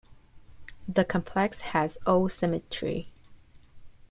The complex has O symmetry.